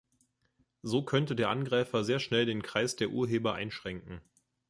So könnte der Angreifer sehr schnell den Kreis der Urheber einschränken.